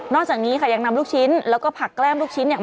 จากนี้ค่ะยังนำลูกชิ้นแล้วก็ผักแก้มลูกชิ้นเนี่ย